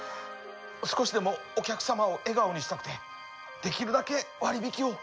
少しでもお客様を笑顔にしたくてできるだけ割引を。